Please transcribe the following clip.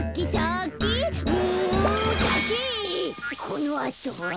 このあとは？